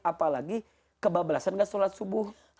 apalagi kebab belasan gak sholat subuh